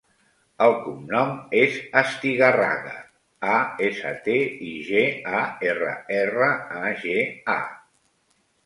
El cognom és Astigarraga: a, essa, te, i, ge, a, erra, erra, a, ge, a.